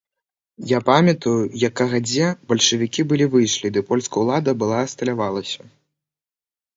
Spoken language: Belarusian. Я памятаю, як кагадзе бальшавікі былі выйшлі, ды польская ўлада была асталявалася.